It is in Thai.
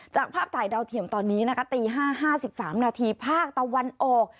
จากภาพถ่ายดาวเทียมตอนนี้นะคะตีห้าห้าสิบสามนาทีภาคตะวันออก